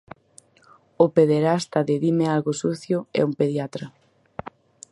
O pederasta de Dime algo sucio é un pediatra.